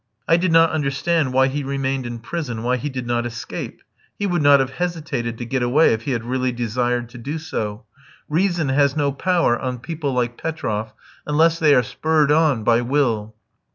I did not understand why he remained in prison, why he did not escape. He would not have hesitated to get away if he had really desired to do so. Reason has no power on people like Petroff unless they are spurred on by will.